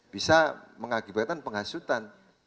bisa mengakibatkan pengasutan